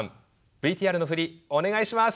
ＶＴＲの振りお願いします。